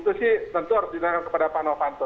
nah kalau itu sih tentu harus diinginkan kepada pak novanto